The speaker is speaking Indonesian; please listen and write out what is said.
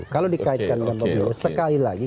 kalau dikaitkan dengan pemilu sekali lagi